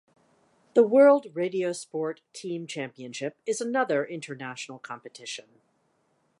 The World Radiosport Team Championship is another international competition.